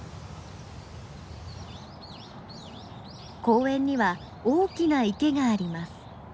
公園には大きな池があります。